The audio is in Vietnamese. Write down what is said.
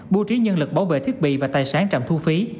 bố trí nhân lực bảo vệ thiết bị và tài sản trạm thu phí